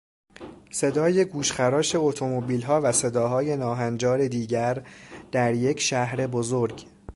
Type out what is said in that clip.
صدای گوشخراشاتومبیلها و صداهای ناهنجار دیگر در یک شهر بزرگ